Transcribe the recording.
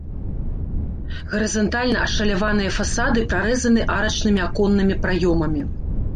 Гарызантальна ашаляваныя фасады прарэзаны арачнымі аконнымі праёмамі.